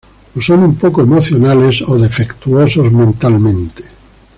O son un poco emocionales o defectuosos mentalmente.